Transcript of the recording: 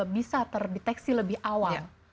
bisa terdeteksi lebih awal